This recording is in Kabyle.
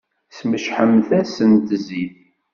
Smecḥemt-asent zzit!